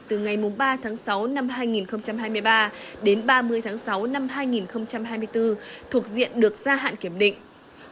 từ ngày ba tháng sáu năm hai nghìn hai mươi ba đến ba mươi tháng sáu năm hai nghìn hai mươi bốn thuộc diện được gia hạn kiểm định